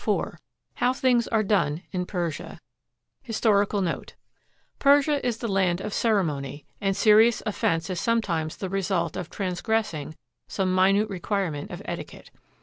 IV HOW THINGS ARE DONE IN PERSIA HISTORICAL NOTE Persia is the land of ceremony, and serious offense is some times the result of transgressing some minute requirement of etiquette.